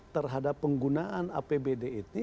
terhadap penggunaan apbd ini